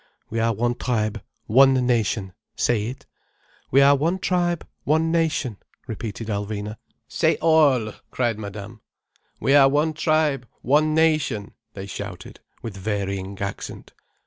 "We are one tribe, one nation—say it." "We are one tribe, one nation," repeated Alvina. "Say all," cried Madame. "We are one tribe, one nation—" they shouted, with varying accent.